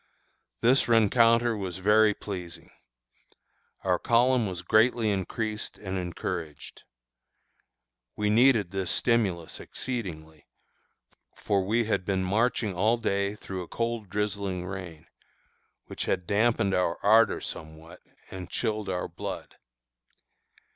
This rencounter was very pleasing. Our column was greatly increased and encouraged. We needed this stimulus exceedingly, for we had been marching all day through a cold drizzling rain, which had dampened our ardor somewhat, and chilled our blood.